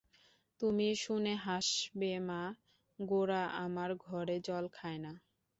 তুমি শুনে হাসবে মা, গোরা আমার ঘরে জল খায় না।